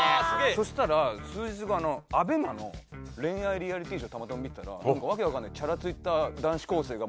そしたら数日後ＡＢＥＭＡの恋愛リアリティーショーをたまたま見てたらわけわかんないチャラついた男子高生が。